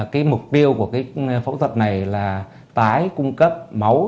cái mục tiêu của cái phẫu thuật này là tái cung cấp máu